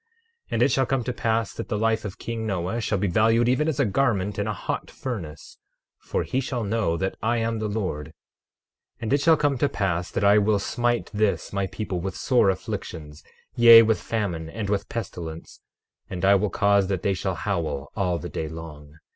12:3 And it shall come to pass that the life of king Noah shall be valued even as a garment in a hot furnace; for he shall know that I am the Lord. 12:4 And it shall come to pass that I will smite this my people with sore afflictions, yea, with famine and with pestilence; and I will cause that they shall howl all the day long.